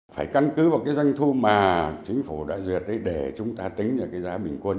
phải căn cứ vào cái doanh thu mà chính phủ đã duyệt để chúng ta tính ở cái giá bình quân